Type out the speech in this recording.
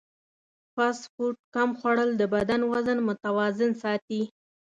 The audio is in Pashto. فاسټ فوډ کم خوړل د بدن وزن متوازن ساتي.